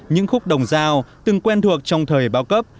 những khúc đồng giao từng quen thuộc trong thời bao cấp